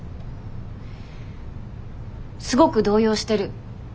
すごく動揺してる。